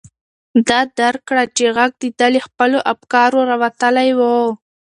ده درک کړه چې غږ د ده له خپلو افکارو راوتلی و.